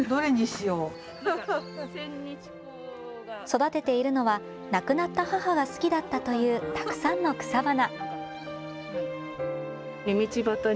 育てているのは亡くなった母が好きだったというたくさんの草花。